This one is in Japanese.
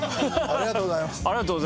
ありがとうございます。